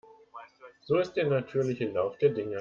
So ist der natürliche Lauf der Dinge.